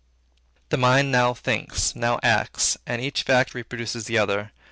The mind now thinks; now acts; and each fit reproduces the other.